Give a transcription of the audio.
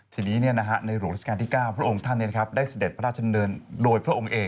ทีนี้เนี่ยนะฮะในหลวงรัฐกาลที่๙พระองค์ท่านเนี่ยนะครับได้เสด็จพระราชนเดินโดยพระองค์เอง